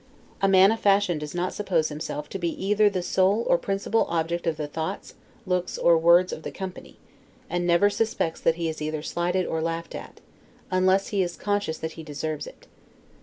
A man of fashion does not suppose himself to be either the sole or principal object of the thoughts, looks, or words of the company; and never suspects that he is either slighted or laughed at, unless he is conscious that he deserves it.